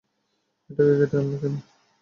এটা কেটে আনলে কেন?